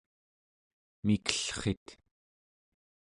mikellrit